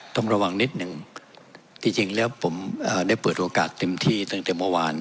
ต้องระวังนิดหนึ่งที่จริงแล้วผมได้เปิดโอกาสเต็มที่ตั้งแต่เมื่อวาน